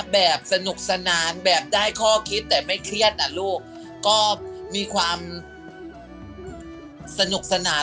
แบบสนุกสนานแบบได้ข้อคิดแต่ไม่เครียดอ่ะลูกก็มีความสนุกสนาน